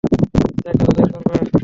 যাকাত আদায় করবে।